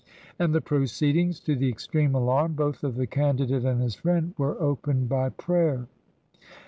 And the proceedings, to the ex treme alarm both of the candidate and his friend, were opened by prayer.